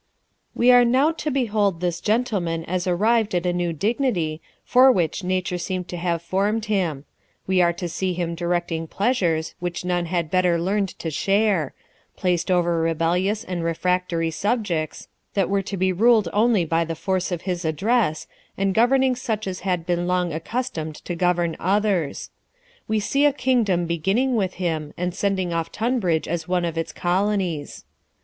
We are now to behold this gentleman as arrived at a new dignity, for which nature seemed to have formed him : we are to see him directing pleasures, which none had better learned to share ; placed over rebellious and refractory subjects, that were to be ruled only by the force of his address, and governing such as had been long accustomed to govern others. We see a kingdom beginning with him, and sending off Tunbridge as one of its colonies.